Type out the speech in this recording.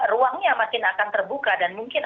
ruangnya makin akan terbuka dan mungkin